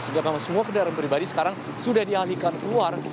sehingga memang semua kendaraan pribadi sekarang sudah dialihkan keluar